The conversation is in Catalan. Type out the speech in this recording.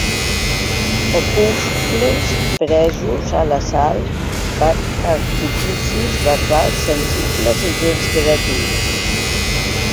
Opuscles presos a l'assalt per artificis verbals sensibles i gens gratuïts.